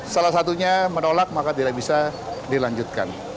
salah satunya menolak maka tidak bisa dilanjutkan